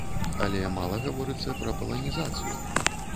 Але мала гаворыцца пра паланізацыю.